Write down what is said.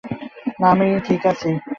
না, আমি ঠিক আছি।